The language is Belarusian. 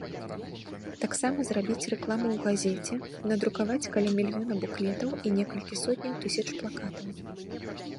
Таксама зрабіць рэкламу ў газеце, надрукаваць каля мільёна буклетаў і некалькі сотняў тысяч плакатаў.